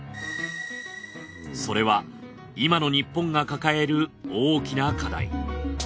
それは今の日本が抱える大きな課題。